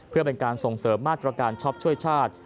เพื่อเป็นการส่งเสริมมาตรการช็อปช่วยชาติ